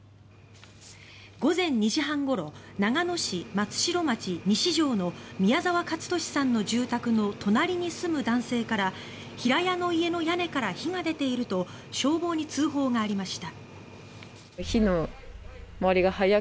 午前２時半ごろ長野市松代町西条の宮沢勝利さんの住宅の隣に住む男性から平屋の家の屋根から火が出ていると消防に通報がありました。